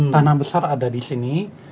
tanah besar ada di sini